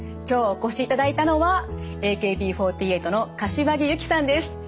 今日お越しいただいたのはＡＫＢ４８の柏木由紀さんです。